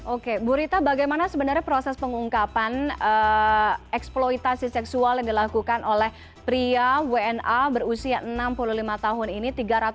oke bu rita bagaimana sebenarnya proses pengungkapan eksploitasi seksual yang dilakukan oleh pria wna berusia enam puluh lima tahun ini